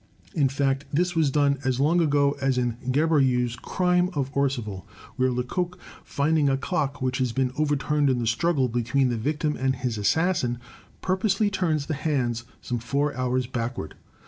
In fact, this was done as long ago as in Gaboriau's "Crime of Orcival," where Lecoq, finding a clock which has been overturned in the struggle between the victim and his assassin, purposely turns the hands some four hours back ward.